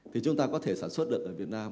thì chúng ta có thể sản xuất được ở việt nam